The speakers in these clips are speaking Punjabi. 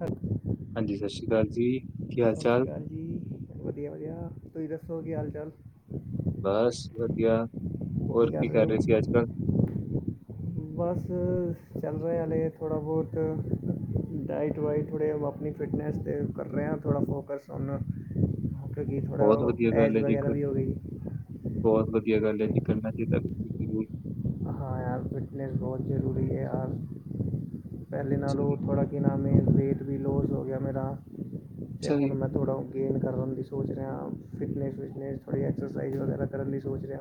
ਹਾਂਜੀ। ਹਾਂਜੀ ਸਤਿ ਸ਼੍ਰੀ ਅਕਾਲ ਜੀ, ਕੀ ਹਾਲ -ਚਾਲ? ਅਕਾਲ ਜੀ, ਵਧੀਆ -ਵਧੀਆ ਤੁਸੀਂ ਦੱਸੋ ਕੀ ਹਾਲ -ਚਾਲ? ਬਸ ਵਧੀਆ। ਹੋਰ ਕੀ ਕਰ ਰੇ ਸੀ ਅੱਜ ਕਾੱਲ? ਬਸ ਚੱਲ ਰਏ ਆ ਹਾਲੇ ਥੋੜਾ ਬੋਤ ਡਾਈਟ-ਵਾਈਟ ਥੋੜਾ ਜੇਆ ਆਪਣੀ ਫਿਟਨੈਸ 'ਤੇ ਕਰ ਰਏ ਆਂ ਥੋੜਾ ਫੋਕਸ ਹੁਨ। ਕਿਉਕਿ ਥੋੜਾ ਬਹੁਤ ਓ ਐਜ ਵਗੈਰਾ ਵੀ ਹੋ ਗਈ। ਬੋਹੋਤ ਵਧੀਆ ਗੱਲ ਏ ਜੀ, ਕਰਨਾ ਚਾਹੀਦਾ ਬਿਲਕੁਲ ਜਰੂਰ। ਹਾਂ ਯਾਰ ਫਿਟਨੈਸ ਬੋਤ ਜਰੂਰੀ ਐ ਆ, ਪੈਲੇ ਅੱਛਾ ਨਾਲੋ ਜੀ ਥੋੜਾ ਤੇ ਨਾਲੇ ਵੇਟ ਵੀ ਲੋਸ ਹੋ ਗਿਆ ਮੇਰਾ ਤੇ ਅੱਛਾ ਜੀ ਹੁਣ ਮੈ ਥੋੜਾ ਗੇਨ ਕਰਨ ਦੀ ਸੋਚ ਰੇਆਂ, ਫਿਟਨੈਸ-ਫਿਟਨੈਸ ਥੋੜੀ ਐਕਸਸਾਈਜ ਵਗੈਰਾ ਕਰਨ ਦੀ ਸੋਚ ਰੇਆਂ।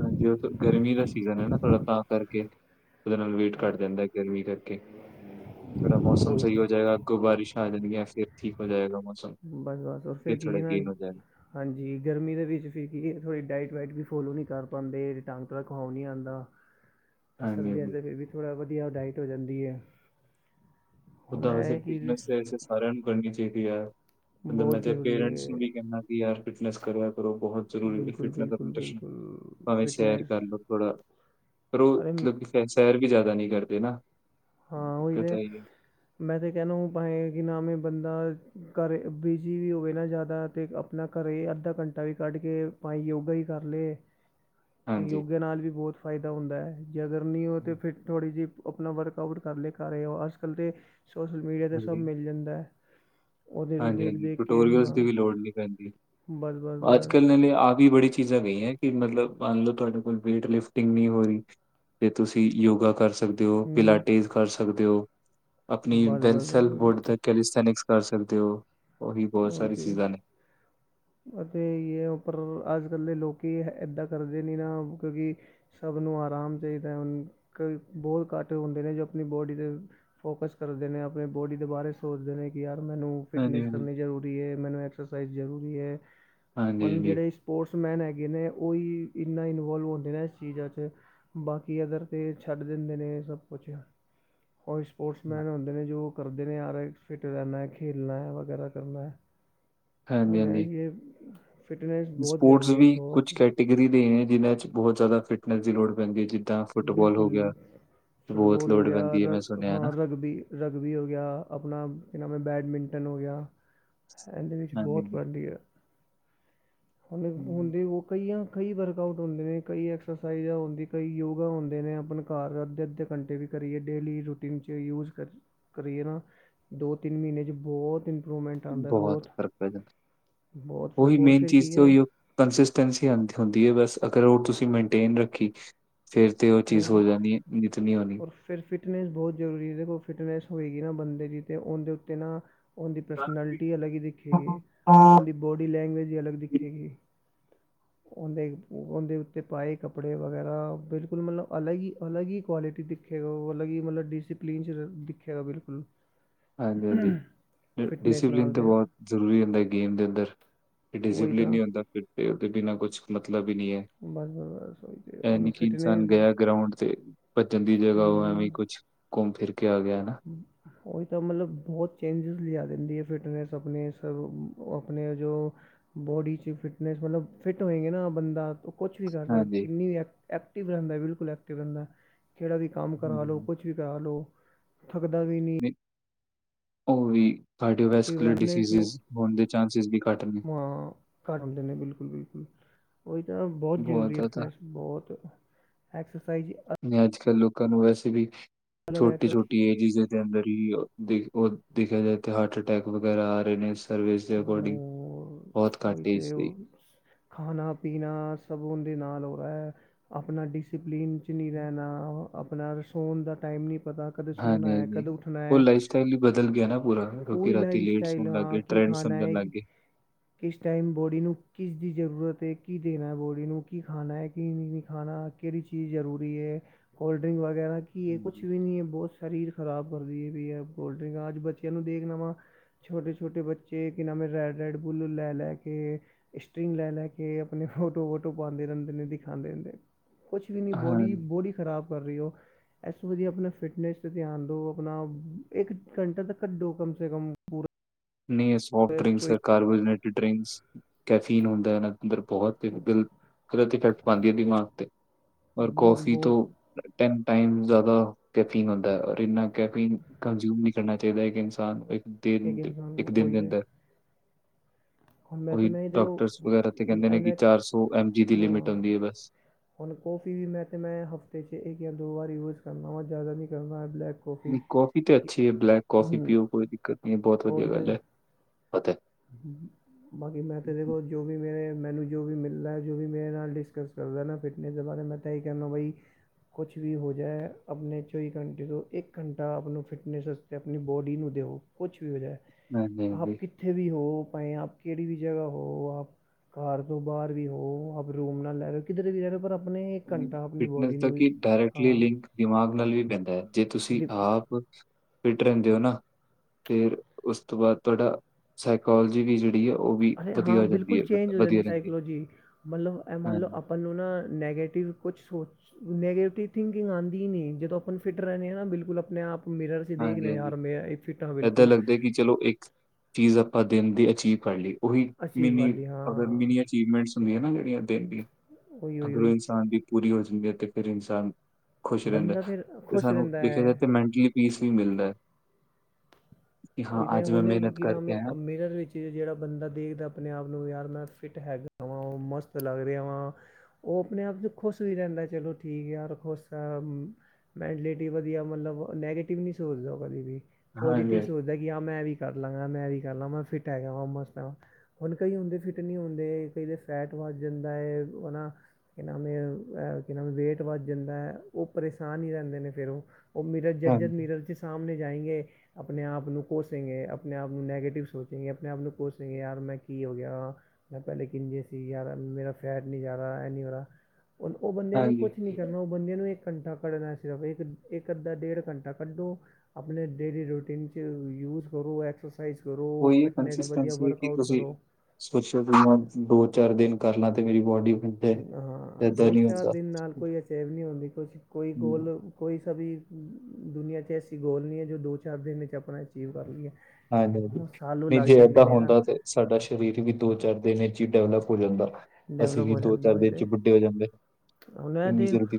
ਹਾਂਜੀ ਓ ਤਾਂ ਗਰਮੀ ਦਾ ਸੀਜਨ ਐ ਨਾ ਥੋੜਾ ਤਾਂ ਕਰਕੇ ਏਦੇ ਨਾਲ ਵੇਟ ਤਾਂ ਘੱਟ ਜਾਦੈ, ਗਰਮੀ ਕਰਕੇ। ਥੋੜਾ ਮੌਸਮ ਸਈ ਉਹੀ ਹੋ ਜਾਏਗਾ, ਅੱਗੋ ਬਾਰਿਸ ਆ ਜਾਣਗੀਆਂ ਫੇਰ ਠੀਕ ਹੋ ਜਾਏਗਾ ਮੌਸਮ। ਬਸ-ਬਸ ਫੇਰ ਫਿਰ ਕਿ ਥੋੜਾ ਏ ਨੈ ਗੇਨ ਹੋ ਜਾਏਗਾ ਹਾਂਜੀ ਗਰਮੀ ਦੇ ਵਿੱਚ ਫਿਰ ਕੀ ਏ ਥੋੜੀ ਡਾਇਟ ਵਾਈਟ ਵੀ ਫੋਲੋ ਨੀ ਕਰ ਪਾਂਦੇ [unintelligible] ਨੀ ਆਂਦਾ। ਹਾਂਜੀ ਸਰਦੀਆਂ 'ਚ ਹਾਂਜੀ ਫੇਰ ਵੀ, ਵੀ ਥੋੜਾ ਵਧੀਆ ਡਾਇਟ ਹੋ ਜਾਂਦੀ ਐ। ਓਦਾਂ ਵੈਸੇ ਫਿਟਨੈਸ ਐ ਵੈਸੇ ਸਾਰੇਆਂ ਨੂੰ ਈ ਕਰਨੀ ਚਾਈਦੀ ਐ। ਮਤਲਬ ਮੈ ਬਹੁਤ ਤੇ ਜ਼ਰੂਰੀ ਪੇਰੈਂਟਸ ਨੂੰ ਹੈ ਵੀ ਕੈਨਾਂ ਕਿ ਯਾਰ ਫਿਟਨੈਸ ਕਰਿਆ ਕਰੋ ਬੋਹੋਤ ਜਰੂਰੀ ਏ ਬਿਲਕੁਲ ਫਿਟਨੈਸ ਬਿਲਕੁਲ ਆਪਨੀ [unintelligible] ਬਿਲਕੁਲ ਭਾਵੇ ਸੈਰ ਫਿਟਨੈਸ ਕਰ ਲੋ ਥੋੜਾ ਪਰ ਓ ਅਰੇ ਮਤਲਬ ਕਿ ਖ਼ੈਰ ਸੈਰ ਵੀ ਜਾਦਾ ਨੀ ਕਰਦੇ ਨਾ। ਹਾਂ ਓਈ ਦਿੱਕਤ ਤੇ ਆਈ ਹੈ ਮੈਂ ਤੇ ਕੈਨਾ [unintelligible] ਕੀ ਨਾਮ ਏ ਬੰਦਾ ਘਰ ਬਿਜ਼ੀ ਵੀ ਹੋਵੇ ਨਾ ਜਿਆਦਾ ਤੇ ਅਪਣਾ ਘਰੋਂ ਈ ਅੱਧਾ ਘੰਟਾ ਵੀ ਕੱਢ ਕੇ ਭਾਏ ਯੋਗਾ ਈ ਕਰ ਲੇ। ਫੇਰ ਹਾਂਜੀ ਯੋਗਾ ਨਾਲ ਵੀ ਬੋਤ ਫਾਇਦਾ ਹੁੰਦਾ ਹੈ। ਜੇ ਅਗਰ ਨੀ ਹੋਏ ਤੇ ਫਿਰ ਥੋੜੀ ਜੀ ਅਪਣਾ ਵਰਕ ਕਵਰ ਕਰ ਲੇ, ਕਰ ਰਏ ਓ, ਅੱਜ-ਕਾੱਲ ਤੇ ਸੋਸ਼ਲ ਮੀਡੀਆ 'ਤੇ ਸਭ ਮਿਲ ਜਾਦੈ। ਹਾਂਜੀ-ਹਾਂਜੀ ਟਟੋਰੀਅਲਸ ਹਾਂ ਦੀ ਵੀ ਲੋੜ ਨੀ ਪੈਦੀ। ਬਸ ਬਸ ਬਸ ਆਜ-ਕੱਲ ਨਾਲੇ ਆ ਵੀ ਬੜੀ ਚੀਜ ਆ ਗਈ ਐ ਕਿ ਮਤਲਬ ਮੰਨ ਲੋ ਤੁਆਡੇ ਕੋਲ ਵੇਟ ਲਿਫਟਿੰਗ ਨੀ ਹੋ ਰੀ ਤੇ ਤੁਸੀ ਯੋਗਾ ਕਰ ਸਕਦੇ ਓ, ਹੂੰ ਪਿਲਾਟੇਜ਼ ਕਰ ਸਕਦੇ ਓ। ਆਪਣੀ ਬਸ ਬਸ ਬਸ ਪੈਨਸਲ ਉਹੀ ਬੋਰਡ ਤੇ ਕੈਲੀਸਥੈਨਿਕਸ ਕਰ ਸਕਦੇ ਓ। ਹੋਰ ਵੀ ਬੋਹੋਤ ਉਹੀ ਸਾਰੀ ਤੇ ਚੀਜਾ ਨੇ ਅਤੇ ਯੇ ਉਪਰ ਆਜ-ਕੱਲ ਦੇ ਲੋਕੀ ਇਹ ਐਦਾਂ ਕਰਦੇ ਨੇ ਨਾ ਕਿਉਕਿ ਸ਼ਭ ਨੂੰ ਆਰਾਮ ਚਾਈਦੈ ਹੁਣ। ਕਈ ਬੋਤ ਘੱਟ ਹੁੰਦੇ ਨੇ ਜੋ ਆਪਣੀ ਬੋਡੀ ਦੇ ਫੋਕਸ ਕਰਦੇ ਨੇ, ਆਪਣੇ ਬੋਡੀ ਦੇ ਬਾਰੇ ਸੋਚਦੇ ਨੇ ਕਿ ਯਾਰ ਮੈਨੂੰ ਹਾਂਜੀ ਫਿਟਨੈਸ ਹਾਂਜੀ ਕਰਨੀ ਜਰੂਰੀ ਏ, ਮੈਨੂੰ ਐਕਸਰਸਾਈਜ਼ ਜ਼ਰੂਰੀ ਏ। ਹਾਂਜੀ ਹੁਣ ਹਾਂਜੀ ਜੜੇ ਸਪੋਰਟਸ ਮੈਨ ਹੈਗੇ ਨੇ ਓਹੀ ਇੰਨਾ ਇਨਵੋਲਵ ਹੁੰਦੇ ਨੇ ਏਸ ਚੀਜਾਂ 'ਚ ਬਾਕੀ ਅਗਰ ਕੋਈ ਛੱਡ ਦਿੰਦੇ ਨੇ ਏ ਸਭ ਕੁਛ ਓਈ ਸਪੋਰਟਸਮੈਨ ਹੁੰਦੇ ਨੇ ਜੋ ਕਰਦੇ ਨੇ ਆਰ ਐ ਫਿੱਟ ਕਰਨੈ, ਖੇਲਨੈ ਵਗੈਰਾ ਕਰਨੈ, ਹਾਂਜੀ ਹੁਨ ਹਾਂਜੀ ਐਹੀ ਏ, ਫਿਟਨਸ ਬੋਤ ਜਰੂਰੀ ਏ, ਬੋਤ ਤਿਗਰੀ ਦੇ ਲੀ ਜਿਨਾ 'ਚ ਬੋਹੋਤ ਜਿਆਦਾ ਫਿਟਨੈਸ ਦੀ ਲੋੜ ਪੈਂਦੀ ਏ ਜ ਬਿਲਕੁਲ ਬਹੁਤ ਫੁਟਬਾਲ ਹੋ ਲੋੜ ਗਿਆ ਪੈਂਦੀ ਹੈ ਮੈਂ ਰਗ ਸੁਣਿਆ ਹੈ ਨਾ ਹ ਰਗਬੀ ਰਗਬੀ ਹੋ ਗਿਆ, ਆਪਣਾ ਕਿ ਨਾਮ ਏ ਬੈਡਮਿੰਟਨ ਹੋ ਗਿਆ ਹੈਦੇ ਵਿੱਚ ਹਾਂਜੀ ਬੋਤ ਜੀ ਵਧੀਆ। ਹੂਨ ਲੱਗੇ ਹੂੰ। ਹੁੰਦੇ ਓ ਕਈਆਂ ਕਈ ਵਰਕਆਊਟ ਹੁੰਦੇ ਨੇ, ਕਈ ਐਕਸਰਸਾਈਜ਼ਾਂ ਹੋਂਦੀ, ਕਈ ਯੋਗਾ ਹੋਂਦੇ ਨੇ, ਆਪਣ ਘਾਰ ਅੱਧੇ-ਅੱਧੇ ਘੰਟੇ ਵੀ ਕਰੀਏ ਡੇਲੀ ਰੋਟੀਨ 'ਚ ਯੂਜ ਕਰ ਕਰੀਏ ਨਾ ਦੋ-ਤਿੰਨ ਮਿੰਨ੍ਹੇ 'ਚ ਬੋਹੋਤ ਇੰਪਰੂਵਮੈਂਟ ਆਂਦਾ ਏ ਬਹੁਤ ਬੋਹੋਤ। ਫ਼ਰਕ ਪੈ ਜਾਂਦਾ ਬੋਹਤ ਉਹੀ ਫਰਕ ਔਰ ਮੇਨ ਫਿਰ ਚੀਜ਼ ਕੀ ਤੇ ਹੈ ਉਹੀ ਕੰਸਿਸਟੈਂਸੀ ਹੋਂਦ ਹੁੰਦੀ ਏ ਬਸ, ਅਗਰ ਓ ਪਸੀਨਾ ਇਨਟੇਨ ਰੱਖੀ ਫੇਰ ਤੇ ਓ ਉਹੀ ਚੀਜ਼ ਤਾਂ ਹੋ ਜਾਣੀ ਏ ਨਿੱਤ ਨੀ ਆਓਣੀ। ਔਰ ਫਿਰ ਫਿਟਨੈਸ ਬੋਹਤ ਜ਼ਰੂਰੀ ਦੇਖੋ ਫਿਟਨੈਸ ਹੋਏਗੀ ਨਾ ਬੰਦੇ ਦੀ ਓਦੇ ਉੱਤੇ ਨਾ ਓਦੀਂ ਪਰਸਨੈਲਿਟੀ ਅਲੱਗ ਈ ਦਿਖੇਗੀ ਹਾਂਜੀ ਓਦੀਂ ਬੋਡੀ ਲੈਂਗਵਏਜ ਈ ਅਲੱਗ ਦਿਖੇਗੀ। ਓਂਦੇੰ ਓਂਦੇੰ ਉੱਤੇ ਪਾਏ ਕੱਪੜੇ ਵਗੈਰਾ ਬਿਲ ਕੁਲ ਓ ਮੇਨੂੰ ਅੱਲਗ ਅਲੱਗ ਹੀ ਕੁਆਲਿਟੀ ਦਿਖੇਗਾ ਉਹ ਅਲੱਗ ਹੀ ਮਤਲਬ ਡਿਸਿਪਲੀਨ ਚ ਦਿਖੇਗਾ ਬਿਲਕੁਲ। ਹਾਂਜੀ-ਹਾਂਜੀ ਫਿਟਨੈਸ ਡਿਸਪਿਲਨ ਨਾਲ ਤਾਂ ਅਤੇ ਬੋਹਤ ਜ਼ਰੂਰੀ ਹੁੰਦਾ ਗੇਮ ਦੇ ਅੰਦਰ। ਉਹੀ ਡਿਸਿਪਿਲਨ ਤਾਂ ਨੀ ਹੁੰਦਾ ਫਿਰ ਤੇ ਓਦੇ ਬਿਨਾਂ ਕੁਛ ਮਤਲਬ ਈ ਨੀ ਐ। ਬਸ ਬਸ ਬਸ ਉਹੀ ਤਾਂ ਐ ਉਹਨੂੰ ਨੀ ਕਿ ਫਿਟਨੈਸ ਇਨਸਾਨ ਗਯਾ ਗਰਾਊਂਂਡ ਤੇ। ਪਜਣ ਦੀ ਜਗ੍ਹਾ ਓ ਐਵੇਂ ਕੁਛ ਕੁੰਮ ਫਿਰ ਕੇ ਆ ਗਯਾ ਨਾ। ਹੂ ਉਈ ਤਾਂ ਮਤਲਬ ਬੋਹਤ ਚੇਂਜਿਸ ਲਯਾ ਦਿੰਦੀ ਏ ਫਿਟਨੈਸ ਆਪਣੇ ਸਗੋ ਆਪਣੇ ਜੋ ਬੋਡੀ ਚ ਫਿਟਨਸ ਮਤਲਬ ਫਿੱਟ ਹੋਏਂਗੇ ਨਾ ਬੰਦਾ। ਕੁਛ ਵੀ ਕਰ ਸਕ ਹਾਂਜੀ। ਕਿੰਨੀ ਐਕ ਐਕਟਿਵ ਰੈਂਦਾ ਬਿਲਕੁਲ ਐਕਟਿਵ ਰੈਂਦਾ ਜੇੜਾ ਵੀ ਕੰਮ ਕਰਾ ਲੋ ਹੂੰ, ਕੁਛ ਜਿਤਾ ਲੋ ਥੱਕਦਾ ਵੀ ਨੀ। ਓ ਵੀ ਐਕਟਿਵ ਕਾਰਡੀਓਵੈਸਕੂਲਰ ਰਹਿੰਦੇ ਸੋ ਡਿਸੀਜ਼ਿਸ ਹੋਣ ਦੇ ਚਾਂਸਿਸ ਵੀ ਘੱਟ ਨੇ। ਘਰ ਹੂੰਦੇ ਨੇ ਬਿਲਕੁਲ-ਬਿਲਕੁਲ ਉਈ ਤੇ ਨਾ ਬੋਤ ਬਹੁਤ ਜ਼ਰੂਰੀ ਏ ਜ਼ਿਆਦਾ ਅਪਣੇ ਬੋਤ ਐਕਸਰਸਾਈਜ਼ ਨੇ ਅੱਜ-ਕੱਲ੍ਹ ਲੋਕਾਂ ਨੂੰ ਵੈਸੇ ਵੀ ਅਲੱਗ ਐਕਸਰ ਛੋਟੀ-ਛੋਟ ਕੀ ਏਸ ਅੰਦਰ ਈ ਉਹ ਦੇਖਿਆ ਜਾਏ ਤੇ ਹਾਰਟ ਅਟੈਕ ਵਗੈਰਾ ਆ ਰਹੇ ਨੇ। ਸਰਵਿਸ ਦੇ ਅਕੋਡਿੰਗ ਓਈ ਤੇ ਓ ਖਾਣਾ-ਪੀਣਾ ਸਭ ਓਂਦੇ ਨਾਲ ਹੋਦਾ ਹੈ ਆਪਣਾ ਡਿਸੀਪਲੀਨ ਚ ਨਹੀਂ ਰੈਣਾ ਆਪਣਾ ਰਸੋਣ ਦਾ ਟਾਈਮ ਨੀ ਪਤਾ। ਕਦੇ ਸੋਣਾ ਹੈ ਹਾਂਜੀ-ਹਾਂਜੀ ਕਦੇ ਉੱਠਣਾ ਓ ਹੈ ਲਾਈਫ ਸਟਾਈਲ ਵੀ ਬਦਲ ਗਯਾ ਨਾ ਪੂਰਾ ਲੋਕੀ ਪੂਰੀ ਰਾਤੀ ਲਾਈਫ ਲੇਟ ਸਟਾਈਲ ਸੋਣ ਹਾਂ ਲੱਗਗੇ। ਕੀ ਟ੍ਰੈਂਡ ਖਾਣਾ ਸਮਝਣ ਹੈ ਲੱਗ ਏ। ਕਿਸ ਟਾਈਮ ਬੋਡੀ ਨੂੰ ਕਿਸ ਦੀ ਜ਼ਰੂਰਤ ਏ ਕੀ ਦੇਣਾ ਬੋਡੀ ਨੂੰ ਕੀ ਖਾਣਾ ਕੀ ਨੀ ਖਾਣਾ ਕੇੜੀ ਚੀਜ਼ ਜ਼ਰੂਰੀ ਏ ਕੋਲਡ-ਡਰਿੰਕ ਵਗੈਰਾ ਕੀ ਏ ਕੁਛ ਹਮ, ਵੀ ਨੀ ਐ‌ ਬੋਸ ਸਰੀਰ ਖ਼ਰਾਬ ਕਰਦੀ ਪਈ ਐ ਕੋਲਡ ਡਰਿੰਕ ਅੱਜ ਬੱਚਿਆਂ ਨੂੰ ਦੇਖ ਲਵਾਂ ਛੋਟੇ-ਛਟੇ ਬੱਚੇ ਕਿ ਨਾਮਂ ਰੈਡ-ਰੈਡ ਬੂਲ ਲੈ ਲੈ ਕੇ ਸਟਰਿੰਗ ਲੈ-ਲੈ ਕੇ ਆਪਣੇ ਫੋਟੋ-ਵੋਟੋ ਪਾਂਦੇ ਰੈਂਦੇ ਨੇ ਦਿਖਾਂਦੇ ਰੈਂਦੇ ਕੁਛ ਵੀ ਨੀ ਬੋਡੀ ਹਾਂਜੀ। ਬਾਡੀ ਬੋਡੀ ਖਰਾਬ ਕਰ ਰੀ ਓ। ਐਸ ਤੋਂ ਵਧੀਆ ਆਪਣਾ ਫਿਟਨੈਸ ਤੇ ਧਿਆਨ ਦੋ ਆਪਣਾ ਇੱਕ ਘੰਟਾ ਤੇ ਕੱਢੋ ਕਮ ਸੇ ਕਮ ਪੂਰਾ। ਨਹੀਂ ਐ ਸੋਫਟ ਡਰਿੰਕਸ ਸਰਕਾਰ ਵਾਲੀ ਨੈਟ ਡ੍ਰਿੰਕਸ ਕੈਫੀਨ ਹੁੰਦਾ ਐਨ ਅੰਦਰ ਬੋਹਤ ਪਿੱਪਲ ਗਲਤ ਇਫੈਕਟ ਪਾਂਦੀ ਏ ਦਿਮਾਗ ਤੇ ਔਰ ਬਹੁਤ ਕੌਫੀ ਤੋਂ ਬਹੁਤ ਟੈਮ ਟਾਈਮ ਜਾਦਾ ਕੈਫੀਨ ਹੁੰਦਾ ਔਰ ਇੰਨਾ ਕੈਫੀਨ ਕੰਜ਼ਊਮ ਨੀ ਕਰਨਾ ਚਾਇਦਾ ਇੱਕ ਇਨਸਾਨ ਦਿਨ ਏਕ ਦੇ- ਇਨਸਾਨ ਇੱਕ ਦਿਨ ਓਈ ਦੇ ਤੇ ਅੰਦਰ ਮੈਂ ਤਾਂ ਉਹੀ ਮੈਂ ਤੇ ਓ ਡਾਕਟਰਸ ਵਗੈਰਾ ਤੇ ਕਹਿੰਦੇ ਨੇ ਕਿ ਮੈ ਦੀ ਹਾਂ ਲਿਮਿਟ ਹੁੰਦੀ ਹੈ ਬਸ ਹੁਣ ਕੌਫੀ ਵੀ ਮੈਂ ਕਿਹਾ ਮੈਂ ਹਫ਼ਤੇ ਚ ਇੱਕ ਯਾ ਦੋ ਵਾਰ ਯੂਜ ਕਰਨਾ ਵਾ ਜ਼ਿਆਦਾ ਨਹੀਂ ਕਰਨਾ ਹੈ ਬਲੈਕ ਕੌਫੀ ਨਹੀਂ ਕਾੱਫੀ ਤੇ ਅੱਛੀ ਏ ਬਲੈਕ ਕੌਫੀ ਹੂੰ ਪੀਓ ਕੋਈ ਦਿੱਕਤ ਨੀ ਐ ਬੋਹਤ ਵਧੀਆ ਉਹੀ ਤਾਂ ਗੱਲ ਐ। ਬਾਕੀ ਮੈਂ ਤੇ ਦੇਖੋ ਜੋ ਵੀ ਮੇਰੇ ਮੈਨੂੰ ਜੋ ਵੀ ਮਿਲਦਾ ਜੋ ਵੀ ਮੇਰੇ ਨਾਲ ਡਿਸਕਸ ਕਰਦਾ ਨਾ ਫਿਟਨੈਸ ਦੇ ਬਾਰੇ ਮੈਂ ਤਾਂ ਐਹੀ ਕਹਿੰਦਾ ਬਈ ਕੁਛ ਵੀ ਹੋ ਜਾਏ ਆਪਣੇ ਚੌਵੀ ਘੰਟੇ ਤੋਂ ਇੱਕ ਘੰਟਾ ਆਪ ਨੂੰ ਫਿਟਨੈਸਸਤੇ ਆਪਣੀ ਬੋਡੀ ਨੂੰ ਦੇਓ। ਕੁਛ ਵੀ ਹੋ ਜਾਏ ਨਹੀਂ ਆਪ ਨਹੀਂ ਕਿੱਥੇ ਵੀ ਹੋ ਭਾਵੇਂ ਆਪ ਕਿਹੜੀ ਵੀ ਜਗਾ ਹੋ ਆਪ ਘਰ ਤੋਂ ਬਾਹ ਵੀ ਹੋ ਆਪ ਰੂਮ ਨਾਲ ਲੈ ਰਹੇ ਹੋ ਕਿੱਧਰ ਵੀ ਰਹਿ ਰਹੇ ਹੋ ਪਰ ਆਪਣੇ ਇੱਕ ਘੰਟਾ ਆਪਣੀ ਫਿਟਨੈਸ ਬੋਡੀ ਦਾ ਨੂੰ ਕੀ ਡਾਇਰੈਕਟਲੀ ਹਾਂ ਲਿੰਕ ਦਿਮਾਗ ਨਾਲ ਵੀ ਪੈਂਦਾ ਹੈ ਜੇ ਤੁਸੀਂ ਡਿ ਆਪ ਫਿੱਟ ਰਹਿੰਦੇ ਹੋ ਨਾ ਫਿਰ ਉਸ ਤੋਂ ਬਾਦ ਤੁਹਾਡਾ ਸਾਈਕੋਲੋਜੀ ਵੀ ਜਿਹੜੀ ਆ ਅਰੇ ਹਾਂ ਬਿਲਕੁਲ ਚੇਂਜ ਹੋ ਜਾਂਦੀ ਸਾਈਕਲੋਜੀ ਮਤਲਬ ਐ ਹੈ ਮਨ ਲੋ ਹਾਂਜੀ ਅਪ ਆਪ ਨੂੰ ਨਾ ਨੈਗੇਟਿਵ ਕੁਛ ਸੋਚ ਨੈਗੇਟਿਵ ਥਿੰਕਿੰਗ ਆਂਦੀ ਨੀ ਜਦੋਂ ਆਪਾਂ ਫਿੱਟ ਰਹਿੰਦੇ ਹਾਂ ਨਾ ਬਿਲਕੁਲ ਆਪਣੇ ਆਪ ਮਿਰਰ ਅਸੀ ਦੇਖ ਹਾਂਜੀ ਰਹੇ ਆ ਹਾਂਜੀ ਯਾਰ ਮੈਂ ਫਿਟ ਹਾਂ ਏਦਾਂ ਬਿਲਕੁਲ। ਲੱਗਦਾ ਕਿ ਚਲੋ ਇੱਕ ਚੀਜ਼ ਆਪਾਂ ਦਿਨ ਦੀ ਅਚੀਵ ਕਰ ਲਈਏ ਉਹੀ ਅਚੀਵ ਮਿੰਨੀ ਵਾਲੀ। ਅਗਰ ਹਾਂ ਮਿਨੀ ਅਚੀਵਮੈਂਟਸ ਹੁੰਦੀਆਂ ਨਾ ਜਿਹੜੀਆਂ ਦਿਨ ਦੀ ਉਹੀ ਉਹੀ ਅਗਰ ਓ ਉਹੀ ਇਨਸਾਨ ਦੀ ਪੂਰੀ ਹੋ ਜਾਂਦੀ ਹੈ ਤੇ ਫਿਰ ਇਨਸਾਨ ਖੁਸ਼ ਰਹਿੰਦਾ ਬੰਦਾ ਫਿਰ ਤੇ ਖੁਸ਼ ਸਾਨੂੰ ਰਹਿੰਦਾ ਦੇਖਿਆ ਜਾ ਹੈ, ਤਾਂ ਮੈਂਟਲੀ ਪੀਸ ਵੀ ਮਿਲਦਾ। ਕਿ ਹਾਂ ਉਹੀ ਤੇ ਅੱਜ ਮੈਂ ਹੁਣ ਮਿਹਨਤ ਕੀ ਨਾਮ ਕਰਕੇ ਹੈ ਆਇਆ ਅ ਮਿਰਰ ਵਿੱਚ ਜਿਹੜਾ ਬੰਦਾ ਦੇਖਦਾ ਆਪਣੇ ਆਪ ਨੂੰ ਯਾਰ ਮੈਂ ਫਿੱਟ ਹੈਗਾ ਵਾ ਉਹ ਮਸਤ ਲੱਗ ਰਿਹਾ ਵਾ। ਉਹ ਆਪਣੇ ਆਪ ਚ ਖੁਸ਼ ਵੀ ਰਹਿੰਦਾ ਚਲੋ ਠੀਕ ਆ ਯਾਰ ਖੁਸ਼ ਆ। ਮੈਂਟਲਿਟੀ ਵਧੀਆ ਮਤਲਬ ਨੈਗੇਟਿਵ ਨੀ ਸੋਚਦਾ ਕਦੇ ਵੀ ਪੋਜ਼ਟਿਵ ਹਾਂਜੀ ਮਤਲਬ ਕਿ ਆ ਮੈਂ ਵੀ ਕਰ ਲਾ ਮੈਂ ਵੀ ਕਰ ਲਾ ਮੈਂ ਫਿੱਟ ਹੈਗਾ ਵਾ ਮਸਤ ਆ। ਹੁਣ ਕਈ ਹੁੰਦੇ ਫਿੱਟ ਨੀ ਹੁੰਦੇ ਕਈ ਦੇ ਫੈਟ ਵੱਧ ਜਾਂਦਾ ਹੈ ਹਨਾ। ਕਿ ਨਾਮ ਏ ਕੀ ਨਾਮ ਵੇਟ ਵੱਧ ਜਾਂਦਾ ਉਹ ਪਰੇਸ਼ਾਨ ਹੀ ਰਹਿੰਦੇ ਨੇ ਫੇਰ ਉਹ। ਉਹ ਮਿਰਲ ਹਾਂਜੀ ਜੱਜਦ ਮਿਰਲ ਦੇ ਸਾਹਮਣੇ ਜਾਏਗੇ ਆਪਣੇ ਆਪ ਨੂੰ ਕੋੋਸੇਗੇ, ਆਪਣੇ ਆਪ ਨੂੰ ਨੈਗੇਟਿਵ ਸੋਚੇਗੇ, ਆਪਣੇ ਆਪ ਨੂੰ ਕੋਸੇਗੇ ਯਾਰ ਮੈਂ ਕੀ ਹੋ ਗਿਆ। ਮੈਂ ਪਹਿਲੇ ਹੀ ਕਹਿੰਦੇ ਸੀ ਯਾਰਾ ਮੇਰਾ ਫੈਟ ਨੀ ਜਾ ਰਹਾ ਏਹ ਨੀ ਹੋ ਰਹਾ। ਉਹ ਬੰਦਿਆਂ ਨੂੰ ਕੁਛ ਨੀ ਹਾਂਜੀ ਕਰਨਾ ਉਹ ਬੰਦੇ ਨੂੰ ਇੱਕ ਘੰਟਾ ਕੱਢਣਾ ਸਿਰਫ ਇੱਕ-ਇੱਕ ਅੱਧਾ ਡੇਢ ਘੰਟਾ ਕੱਢੋ ਆਪਣੇ ਡੇਲੀ ਰੋਟੀ ਦਿਨ ਚ ਯੂਜ਼ ਕਰੋ ਐਕਸਰਸਾਈਜ਼ ਕਰੋ ਉਹੀ ਫਿਟਨੈਸ ਵਧੀਆ ਕੰਸਿਸਟੈਂਸੀ ਹੈ ਕਿ ਵਰਕਆਊਟ ਤੁਸੀਂ ਕਰੋ। ਸੋਚੋ ਤੇ ਮੈਂ ਦੋ, ਚਾਰ ਦਿਨ ਕਰਲਾਂ ਤੇ ਮੇਰੀ ਬੋਡੀ ਹੈ ਹਾਂ ਏਦਾਂ ਦੋ, ਨਹੀਂ ਚਾਰ ਹੁੰਦਾ ਦਿਨ ਨਾਲ ਕੋਈ ਅਚੀਵ ਨੀ ਹੁੰਦੀ ਕੁਛ ਕੋਈ ਗੋਲ ਹਮ, ਕੋਈ ਸਭ ਦੁਨੀਆ ਚ ਐਸੀ ਗੋਲ ਨੀ ਹੈ ਜੋ ਦੋ, ਚਾਰ ਦਿਨ ਵਿੱਚ ਆਪਣਾ ਅਚੀਵ ਕਰ ਲਈਏ ਹਾਂਜੀ ਹਾਂਜੀ ਸਾਲੋ ਨਹੀਂ ਲੱਗ ਜੇ ਜਾਂਦੇ ਏਦਾਂ ਨੇ ਯਾਰ। ਹੁੰਦਾ ਤੇ ਸਾਡਾ ਸਰੀਰ ਵੀ ਦੋ, ਚਾਰ ਦਿਨ ਦਿਨ ਵਿਚ ਹੀ ਡਿਵਲਪ ਹੋ ਜਾਂਦਾ। ਅਸੀ ਡਿਵੈਲਪ ਵੀ ਹੋ ਦੋ, ਜਾਂਦਾ ਚਾਰ ਦਿਨ ਤੇ ਚ ਬੁੱਢੇ ਹੋ ਜਾਂਦੇ ਕਿੰਨੀ ਜ਼ਲਦੀ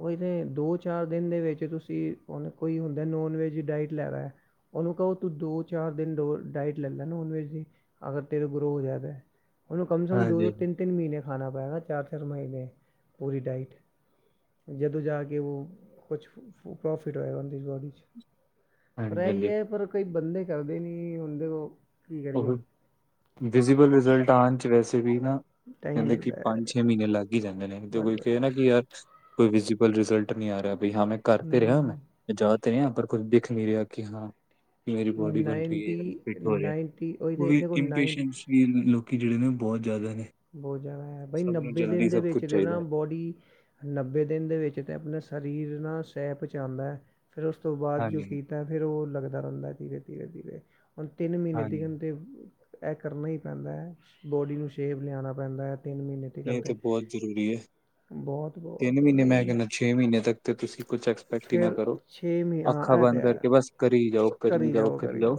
ਓਈ ਤੇ ਦੋ ਚਾਰ ਦਿਨ ਦੇ ਵਿੱਚ ਤੁਸੀਂ ਹੁਣ ਕੋਈ ਹੁੰਦਾ ਨੋਨ ਵੈੱਜ ਡਾਇਟ ਲੈਰਾ। ਉਹਨੂੰ ਕਹੋ ਤੂੰ ਦੋ, ਚਾਰ ਦਿਨ ਡੋ ਡਾਇਟ ਲੈਲੈ ਨੋਨ ਵੈਜ ਦੀ ਅਗਰ ਤੇਰੇ ਗਰੋਅ ਹੋ ਜਾਏ ਤੇ। ਕਮ ਸਮਮ ਦੋ ਦੋ ਹਾਂਜੀ ਤਿੰਨ ਤਿੰਨ ਮਹੀਨੇ ਖਾਣਾ ਪਏਗਾ ਚਾਰ-ਚਾਰ ਮਹੀਨੇ ਪੂਰੀ ਡਾਈਟ। ਜਦੋਂ ਜਾ ਕੇ ਉਹ ਕੁਛ ਪ੍ਰੋਫਿਟ ਹੋਏਗਾ ਉਹ ਦੀ ਬੋਡੀ ਚ। ਪਰ ਇਹੀ ਹਾਂਜੀ ਏ ਪਰ ਕਈ ਬੰਦੇ ਕਰਦੇ ਨੀ ਹੁਣ ਦੇ ਵਿਜ਼ੀਬਲ ਰਿਜ਼ਲਟ ਆਣ ਚ ਵੈਸੇ ਵੀ ਨਾ ਟਾਈਮ ਕਹਿੰਦੇ ਕਿ ਲੱਗਦਾ ਹੈ ਪੰਜ-ਛੇ ਮਹੀਨੇ ਲੱਗ ਲਗ ਹੀ ਜਾਂਦੇ ਨੇ ਤੇ ਬਸ ਕੋਈ ਬਸ ਕਿ ਨਾ ਬਸ ਕਿ ਯਾਰ ਕੋਈ ਵਿਜੀ਼ਬਲ ਰਿਜਲਟ ਨੀ ਆ ਰਿਹਾ ਬਈ ਹਾਂ ਮੈਂ ਕਰ ਤੇ ਰਿਹਾ ਹੂੰ ਮੈਂ। ਜਾ ਤੇ ਰਿਹਾ ਪਰ ਕੁਝ ਦਿਖ ਨੀ ਰਿਹਾ ਕਿ ਹਾ ਮੇਰੀ ਬੋਡੀ ਬਣ ਰਹੀ ਹੈ ਫਿਟ ਹੋ ਰਿਹਾ। ਉਹੀ ਉਹ ਤੇ ਵੀ ਦੇਖੋ ਇੰਪੇਸ਼ੈਂਸਲੀ ਲੋਕੀ ਜਿਹੜੇ ਨੇ ਬੌਤ ਜਾਦਾ ਨੇ। ਬਹੁਤ ਜਾਦਾ ਹੈ ਬਈ ਸਭ ਨੂੰ ਨੱਬੇ ਦਿਨ ਜਲਦੀ ਦੇ ਸਭ ਕੁਝ ਵਿੱਚ ਦੇ ਚਾਹੀਦਾ ਨਾ ਹੈ। ਬੋਡੀ ਨੱਬੇ ਦਿਨ ਦੇ ਵਿੱਚ ਤੇ ਆਪਣੇ ਸਰੀਰ ਨਾਲ ਸੈ ਪਹੁੰਚਾਉਂਦਾ ਫਿਰ ਉਸ ਤੋਂ ਬਾਦ ਜੋ ਹਾਂਜੀ ਕਿ ਤਾਂ ਫਿਰ ਉਹ ਲੱਗਦਾ ਰਹਿੰਦਾ ਧੀਰੇ-ਧੀਰੇ, ਧੀਰੇ ਹੁਣ ਤਿੰਨ ਮਹੀਨੇ ਦੀ ਹਾਂਜੀ ਹੰਦੇ ਇਹ ਕਰਨਾ ਹੀ ਪੈਂਦਾ ਬੋਡੀ ਨੂੰ ਸ਼ੇਪ ਲਿਆਉਣਾ ਪੈਂਦਾ ਏ ਤਿੰਨ ਮਹੀਨੇ ਨਹੀਂ, ਏ ਤੇ ਬੋਤ ਜ਼ਰੂਰੀ ਏ। ਬਹੁਤ ਤਿੰਨ ਬਹੁਤ ਉਹ ਮਹੀਨੇ ਮੈਂ ਨਹੀਂ ਹੈ ਕੈਹਦਾ ਛੇ ਮਹੀਨੇ ਤੱਕ ਤੇ ਤੁਸੀਂ ਕੁਛ ਐਕਸਪੈਕਟ ਹੀ ਨਾ ਫਿਰ ਕਰੋ। ਮਹੀਨੇ ਹਾਂ ਅੱਖਾਂ ਇਹ ਤਾਂ ਬੰਦ ਹੈ ਕਰਕੇ, ਬਸ ਕਰੀ ਜਾਓ, ਕਰੀ ਜਾਓ, ਕਰੀ ਜਾਓ।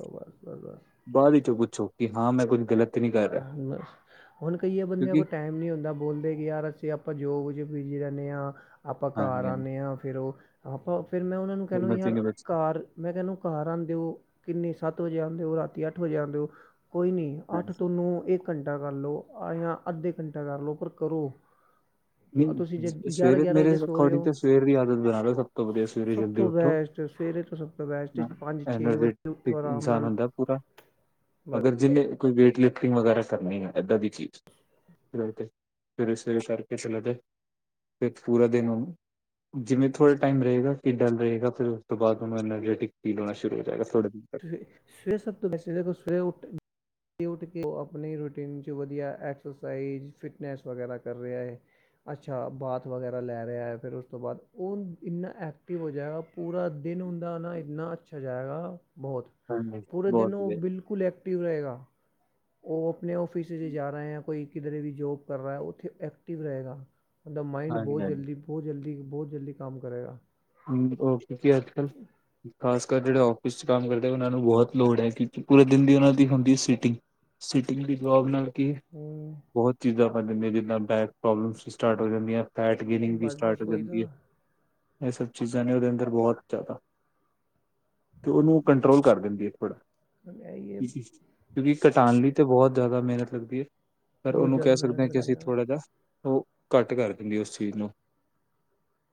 ਬਾਦ ਵਿੱਚ ਚੋਂ ਪੁੱਛੋ, ਕਿ ਹਾਂ ਮੈਂ ਕੁੱਝ ਗਲਤ ਨਹੀਂ ਕਰ ਰਿਹਾ ਬਸ, ਹੁਣ ਕਈਆ ਬੰਦਿਆਂ ਕਿਉਂਕਿ ਕੋਲ ਟੈਮ ਨੀ ਹੁੰਦਾ। ਬੋਲਦੇ, ਕਿ ਯਾਰ ਅਸੀਂ ਆਪਾਂ ਜੋਬ ਵਿੱਚ ਬਿਜੀ ਰੈਹਨੇ ਆਂ, ਆਪਾਂ ਘਰ ਹਾਂਜੀ ਹਾਂਜੀ ਆਂਦੇ ਹਾਂ, ਫਿਰ ਉਹ ਆਪਾਂ ਫੇਰ ਮੈਂ ਓਹਨਾਂ ਨੂੰ ਕੈਹਨਾ ਵੀ ਹਿੰਮਤ ਹੀ ਯਾਰ ਨਹੀਂ ਬਚਦੀ ਘਰ ਮੈਂ ਕਿਆ ਏਹਨੂੰ ਘਰ ਆਂਦੇ ਓ, ਕਿੰਨੇ ਸੱਤ ਵਜੇ ਆਂਦੇ ਓ, ਰਾਤੀ ਅੱਠ ਵਜੇ ਆਂਦੇ ਓ, ਕੋਈ ਨੀ ਅੱਠ ਨੂੰ ਇੱਕ ਘੰਟਾ ਕਰ ਲੋ ਜਾਂ ਅੱਧੇ ਘੰਟਾ ਕਰ ਲਓ, ਪਰ ਕਰੋ। ਆ ਤੁਸੀਂ ਜੇ ਨਈ ਗਿਆਰਾਂ ਸਵੇਰੇ ਗਿਆਰਾਂ ਮੇਰੇ ਵਜੇ ਸੋ ਰਹੇ ਅਕੋਰਡਿੰਗ ਹੋ ਤੋਂ ਸਵੇਰ ਦੀ ਆਦਤ ਬਣਾ ਲਓ। ਸਭ ਤੋਂ ਵਧੀਆ ਸਵੇਰੇ ਸਭ ਜਲਦੀ ਤੋਂ ਉੱਠੋ। ਬੈਸਟ ਸਵੇਰੇ ਤੋਂ ਸਭ ਤੋਂ ਬੈਸਟ ਪੰਜ ਛੇ ਐਨਰਜੀ ਵਜੇ ਉੱਠੋ ਟਿਕ ਆਰਾਮ ਇਨਸਾਨ ਨਾਲ ਹੁੰਦਾ ਪੂਰਾ। ਬਸ ਅਗਰ ਜੀਹਨੇ ਕੋਈ ਵੇਟ ਲਿਫਟਿੰਗ ਵਗੈਰਾ ਕਰਨੀ ਹੈ, ਏਦਾਂ ਦੀ ਚੀਜ਼। ਫ ਸਵੇਰੇ-ਸਵੇਰੇ ਕਰਕੇ ਚਲੇ ਜਾ, ਫਿਰ ਪੂਰਾ ਦਿਨ ਓਨੂੰ ਜਿਵੇਂ ਥੋੜ੍ਹਾ ਟਾਈਮ ਰਹੇਗਾ ਕਿ ਡਰ ਰਹੇਗਾ, ਫੇਰ ਓਸ ਤੋਂ ਬਾਦ ਓਨੂੰ ਐਨਰਜੈਟਿਕ ਫੀਲ ਹੋਣਾ ਸ਼ੁਰੂ ਹੋ ਜਾਏਗਾ ਥੋੜੇ ਦਿਨ। ਤੱਕ ਸਵੇ ਸਭ ਤੋਂ ਬੈਸੇਟ ਏ, ਸਵੇਰੇ ਉੱਠ ਉੱਠ ਕੇ ਓ ਆਪਣੀ ਰੂਟੀਨ ਚ ਵਧੀਆ ਐਕਸਰਸਾਈਜ਼ ਫਿਟਨੈਸ ਵਗੈਰਾ ਕਰ ਰਿਹਾ ਏ। ਅੱਛਾ, ਬਾਥ ਵਗੈਰਾ ਲੈ ਰਿਹਾ ਏ, ਫੇਰ ਉਸ ਤੋਂ ਬਾਅਦ ਉਹ ਇੰਨਾ ਐਕਟਿਵ ਹੋ ਜਾਏਗਾ। ਪੂਰਾ ਦਿਨ ਹੁੰਦਾ ਆ ਨਾ, ਏਨਾ ਅੱਛਾ ਜਾਏਗਾ। ਬਹੁਤ ਹਾਂਜੀ ਪੂਰੇ ਦਿਨ ਬਹੁਤ ਓ ਵਧੀਆ ਬਿਲਕੁਲ ਐਕਟਿਵ ਰਹੇਗਾ। ਓ ਆਪਣੇ ਔਫਿਸ 'ਚ ਜਾ ਰਹੇ ਆ ਕੋਈ ਕਿਧਰੇ ਵੀ ਜੋਬ ਕਰ ਰਿਹਾ ਉੱਥੇ ਐਕਟਿਵ ਰਹੇਗਾ। ਮਤਲਬ, ਮਾਈੰਡ ਹਾਂਜੀ ਬੋਤ ਹਾਂਜੀ ਜਲਦੀ, ਬੋਤ ਜਲਦੀ, ਬੋਤ ਜਲਦੀ ਕੰਮ ਕਰੇਗਾ। ਹੂੰ, ਹੋਰ ਅੱਜ ਕਲ ਖਾਸ ਕਰ ਜੇਹੜੇ ਆਫਿਸ ਚ ਕੰਮ ਕਰਦੇ, ਓਹਨਾਂ ਨੂੰ ਬੋਤ ਲੋੜ ਹੈ, ਕਿਉਂਕਿ ਪੂਰੇ ਦਿਨ ਦੀ ਓਨਾਂ ਦੀ ਹੁੰਦੀ ਹੈ ਸੀਟਿੰਗ। ਸਿਟਿੰਗ ਵੀ ਜਵਾਬ ਨਾਲ ਕਿ ਹੂੰ, ਬਹੁਤ ਚੀਜ਼ਾਂ ਬਣ ਜਾਂਦੀਆਂ, ਜਿੱਦਾਂ ਬੈਕ ਪ੍ਰੋਬਲਮਸ ਵੀ ਸਟਾਰਟ ਹੋ ਜਾਂਦੀਆਂ। ਫੈਟ ਗੇਨਿੰਗ ਵੀ ਬਸ ਸਟਾਰਟ ਬਸ ਹੋ ਉਹੀ ਜਾਂਦੀ ਹੈ, ਤਾਂ ਏਹ ਸਭ ਚੀਜ਼ਾਂ ਨੇ ਓਦੇ ਅੰਦਰ ਬਹੁਤ ਤੇ ਓਨੂੰ ਕੰਟਰੋਲ ਕਰ ਦਿੰਦੀ ਹੈ, ਥੋੜਾ ਇਹੀ ਹੈ ਕਿਉਂਕਿ ਘਟਾਣ ਲਈ ਤਾਂ ਬੋਤ ਜ਼ਿਆਦਾ ਮੇਹਨਤ ਲੱਗਦੀ ਹੈ। ਪਰ ਬਹੁਤ ਓਨੂੰ ਕੈਹ ਜ਼ਿਆਦਾ ਸਕਦੇ ਮਿਹਨਤ ਹਾਂ ਕਿ ਲੱਗਦੀ ਅਸੀਂ ਆ ਥੋੜ੍ਹਾ ਜਿਹਾ, ਓ ਘੱਟ ਕਰ ਦਿੰਦੇ ਓਸ ਚੀਜ਼ ਨੂੰ।